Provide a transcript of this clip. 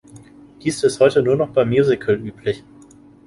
Dies ist heute nur noch beim Musical üblich.